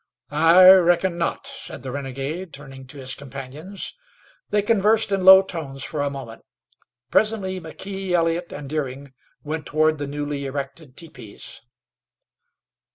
"I reckon not," said the renegade, turning to his companions. They conversed in low tones for a moment. Presently McKee, Elliott and Deering went toward the newly erected teepees.